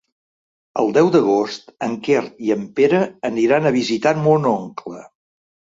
El deu d'agost en Quer i en Pere aniran a visitar mon oncle.